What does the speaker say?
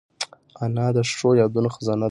انا د ښو یادونو خزانه ده